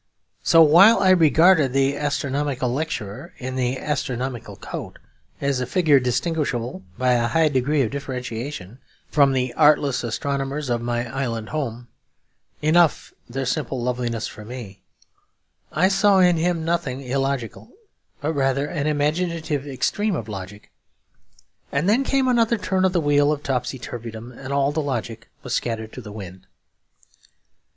So while I regarded the astronomical lecturer in the astronomical coat as a figure distinguishable, by a high degree of differentiation, from the artless astronomers of my island home (enough their simple loveliness for me) I saw in him nothing illogical, but rather an imaginative extreme of logic. And then came another turn of the wheel of topsy turvydom, and all the logic was scattered to the wind.